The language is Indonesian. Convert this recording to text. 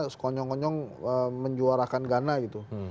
sekonyong konyong menjuarakan ghana gitu